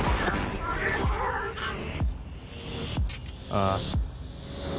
ああ？